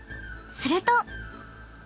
すると。